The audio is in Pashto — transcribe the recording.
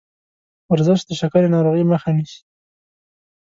ورزش د شکرې ناروغۍ مخه نیسي.